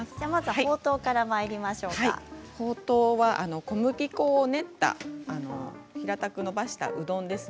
ほうとうは小麦粉を練った平たいうどんです。